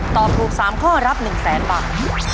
ตอบถูก๓ข้อรับ๑๐๐๐๐๐บาท